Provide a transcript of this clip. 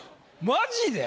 マジで？